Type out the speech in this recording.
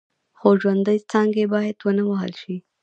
خو ژوندۍ څانګې باید ونه وهل شي.